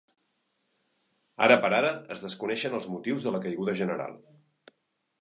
Ara per ara es desconeixen els motius de la caiguda general.